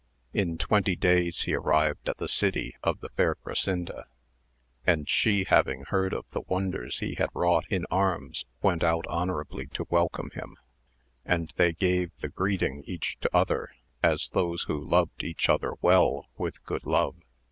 In twenty days he arrived at the city of the fair Grasinda, and she having heard of the wonders he had wrought in arms went out honourably to welcome him, and they gave the greeting each to other, as those who loved each other well with good love.